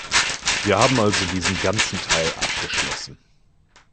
Wir haben also diesen ganzen Teil abgeschlossen.